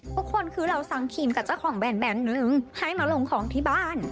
ทุกคนคือเราสั่งครีมกับเจ้าของแนนนึงให้มาลงของที่บ้าน